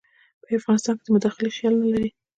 په افغانستان کې د مداخلې خیال نه لري.